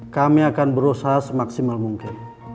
kami akan berusaha semaksimal mungkin